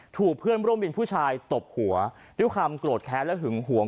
ถูกเพื่อนร่วมวินผู้ชายตบหัวด้วยความโกรธแค้นและหึงหวง